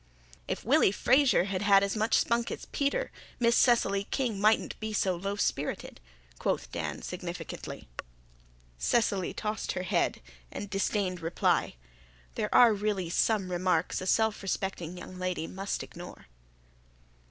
"If Willy Fraser had had as much spunk as Peter, Miss Cecily King mightn't be so low spirited," quoth Dan, significantly. Cecily tossed her head and disdained reply. There are really some remarks a self respecting young lady must ignore.